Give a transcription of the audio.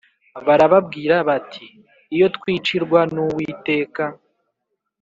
barababwira bati Iyo twicirwa n Uwiteka